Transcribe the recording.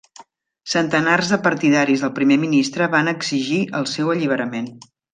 Centenars de partidaris del primer ministre van exigir el seu alliberament.